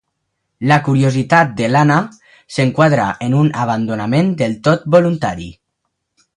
La curiositat de l'Anna s'enquadra en un abandonament del tot voluntari.